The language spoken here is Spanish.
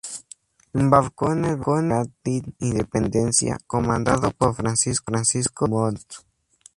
Embarcó en el bergantín "Independencia", comandado por Francisco Drummond.